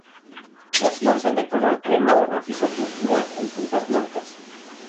Las flores son de color crema o rojizo púrpura con puntas blancas.